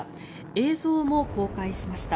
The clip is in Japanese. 映像も公開しました。